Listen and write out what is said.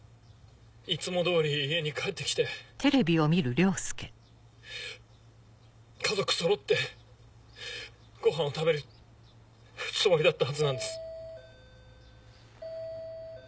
いつも通り家に帰って来て家族そろってごはんを食べるつもりだったはずなんです。